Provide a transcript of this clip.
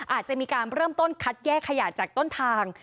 อาจจะมีการเริ่มต้นคัดแยกขยะจากต้นทาง